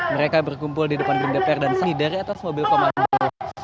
mereka berkumpul di depan gedung dpr dan seni dari atas mobil komando